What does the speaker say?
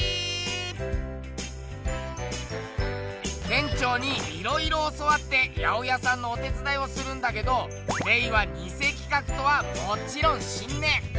店長にいろいろ教わって八百屋さんのお手つだいをするんだけどレイはニセ企画とはもちろん知んねえ。